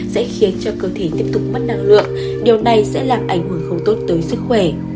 sẽ khiến cho cơ thể tiếp tục mất năng lượng điều này sẽ làm ảnh hưởng không tốt tới sức khỏe